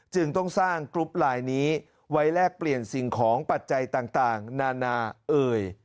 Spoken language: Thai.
จึงต้องสร้างกรุ๊ปไลน์นี้ไว้แลกเปลี่ยนสิ่งของปัจจัยต่างนานาเอ่ย